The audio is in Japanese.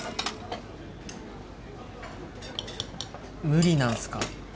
無理なんすか？